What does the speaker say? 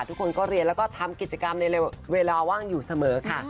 ทุกคนก็เรียนแล้วก็ทำกิจกรรมในเวลาว่างอยู่เสมอค่ะ